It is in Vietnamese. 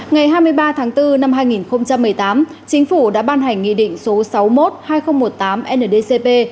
ngày hai mươi ba tháng bốn năm hai nghìn một mươi tám chính phủ đã ban hành nghị định số sáu mươi một hai nghìn một mươi tám ndcp